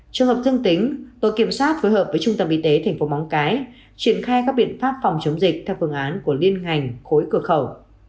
trường hợp dương tính tổ kiểm soát phối hợp với trung tâm y tế tp móng cái triển khai các biện pháp phòng chống dịch theo phương án của liên ngành khối cửa khẩu